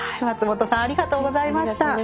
松本さんありがとうございました。